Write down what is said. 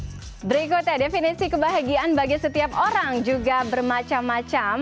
nah berikutnya definisi kebahagiaan bagi setiap orang juga bermacam macam